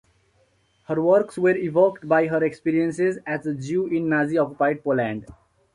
Her works were evoked by her experiences as a Jew in Nazi-occupied Poland.